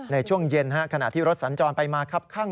ในช่วงเย็นขณะที่รถสัญจรไปมาครับข้าง